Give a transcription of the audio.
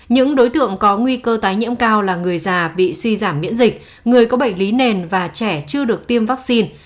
những đối tượng có nguy cơ tái nhiễm cao là người già bị suy giảm miễn dịch người có bệnh lý nền và trẻ chưa được tiêm vaccine